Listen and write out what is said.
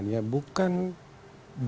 jadi saya lebih mempersoalkan kepada pemerintah